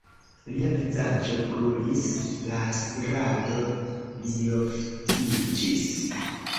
Lia vizaĝo brulis, la spirado plioftiĝis.